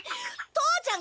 父ちゃん！